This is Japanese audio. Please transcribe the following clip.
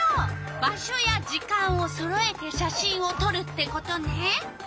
場所や時間をそろえて写真をとるってことね。